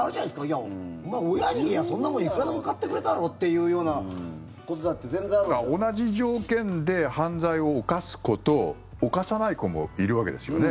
いや、お前、親に言えばそんなもんいくらでも買ってくれたろうっていうようなことだって全然あるわけだから。同じ条件で犯罪を犯す子と犯さない子もいるわけですよね。